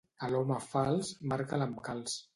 A l'home fals, marca'l amb calç.